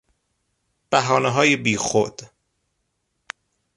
بهانههای بیخود